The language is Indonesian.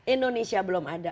indonesia belum ada